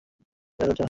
বের হচ্ছে না।